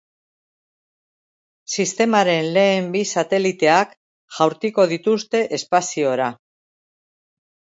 Sistemaren lehen bi sateliteak jaurtiko dituzte espaziora.